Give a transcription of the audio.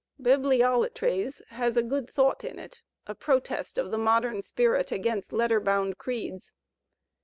'^Bibliolatres" has a good thought in it, a protest of the modem spirit against letter bound creeds.